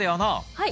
はい。